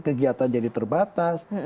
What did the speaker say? kegiatan jadi terbatas